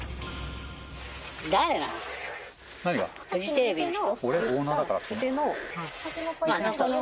フジテレビの人？